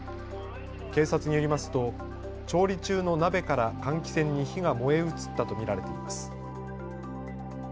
警察によりますと調理中の鍋から換気扇に火が燃え移ったと見られています。